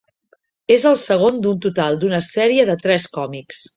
És el segon d'un total d'una sèrie de tres còmics.